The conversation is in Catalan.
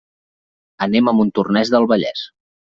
Anem a Montornès del Vallès.